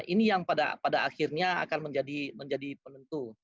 ini yang pada akhirnya akan menjadi penentu